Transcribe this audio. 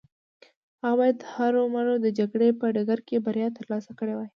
هغه بايد هرو مرو د جګړې په ډګر کې بريا ترلاسه کړې وای.